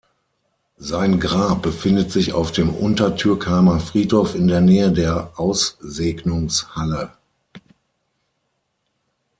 Sein Grab befindet sich auf dem Untertürkheimer Friedhof in der Nähe der Aussegnungshalle.